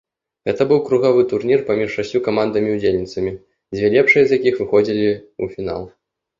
Гэта быў кругавы турнір паміж шасцю камандамі-ўдзельніцамі, дзве лепшыя з якіх выходзілі фінал.